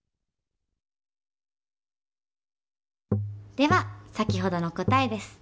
では先ほどの答えです。